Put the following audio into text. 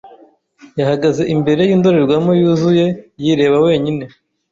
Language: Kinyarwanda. yahagaze imbere yindorerwamo yuzuye, yireba wenyine.